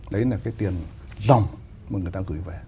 đấy là cái tiền dòng mà người ta gửi về